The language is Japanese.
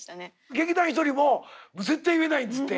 劇団ひとりも「絶対言えない」っつって。